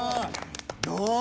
どう？